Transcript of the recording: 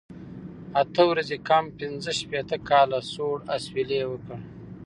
اته ورځې کم پنځه شپېته کاله، سوړ اسویلی یې وکړ.